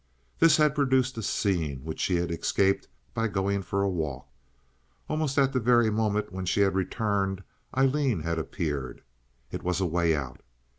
This had produced a scene which she had escaped by going for a walk. Almost at the very moment when she had returned Aileen had appeared. It was a way out.